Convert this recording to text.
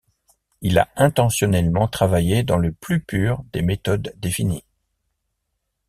Il a intentionnellement travaillé dans le plus pur des méthodes définies.